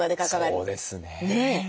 そうですね。